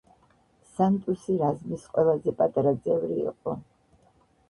სანტუსი რაზმის ყველაზე პატარა წევრი იყო.